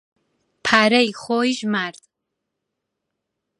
پارەی خۆی ژمارد.